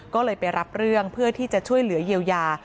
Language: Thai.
ก็เลยไปรับเรื่องเพื่อที่จะช่วยเหลือเยียวยา